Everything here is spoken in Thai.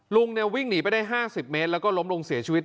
ลุงวิ่งหนีไปได้๕๐เมตรแล้วก็ล้มลงเสียชีวิต